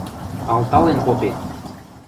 Алтален попет!